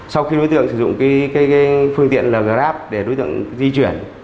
sau khi đối tượng sử dụng phương tiện grab để đối tượng di chuyển